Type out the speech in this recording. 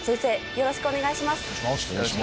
よろしくお願いします。